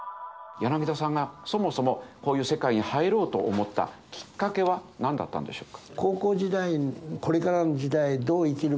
柳田さんがそもそもこういう世界に入ろうと思ったきっかけは何だったんでしょうか？